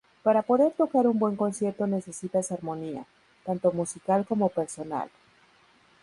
Para poder tocar un buen concierto necesitas armonía, tanto musical como personal.